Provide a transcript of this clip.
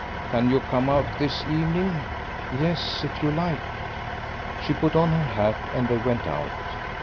"Can you come out this evening?" "Yes, if you like." She put on her hat, and they went out.